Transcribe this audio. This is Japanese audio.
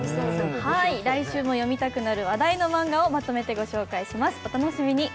来週も読みたくなる話題のマンガをまとめてご紹介します。